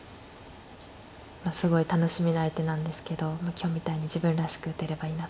すごい楽しみな相手なんですけど今日みたいに自分らしく打てればいいなと思います。